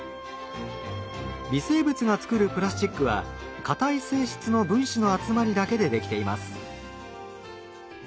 微生物が作るプラスチックはかたい性質の分子の集まりだけでできています。